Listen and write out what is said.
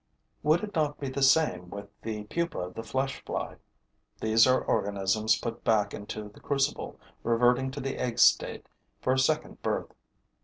Would it not be the same with the pupa of the flesh fly? These are organisms put back into the crucible, reverting to the egg state for a second birth.